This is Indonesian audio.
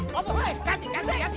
kasih kasih kasih